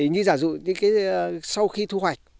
như giả dụ như cái sau khi thu hoạch